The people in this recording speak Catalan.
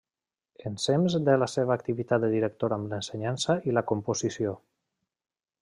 Ensems de la seva activitat de director amb l'ensenyança i la composició.